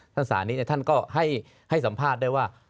สานิทท่านก็ให้สัมภาษณ์ได้ว่า